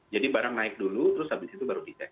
jadi barang naik dulu terus habis itu baru dicek